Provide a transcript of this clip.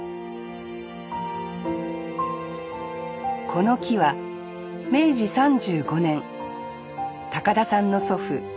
この木は明治３５年田さんの祖父